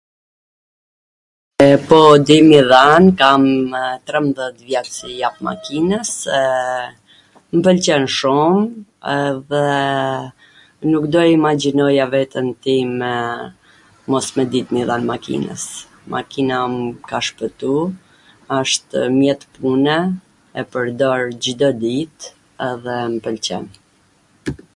e, po, di me i dhan, kam tremdhet vjet qw i jap makinws, mw pwlqen shum dhe nuk do e imagjinoja veten time mos me dit me i dhan makinws. Makina m ka shpwtu, ashtw mjet pune, e pwrdor Cdo dit edhe m pwlqen.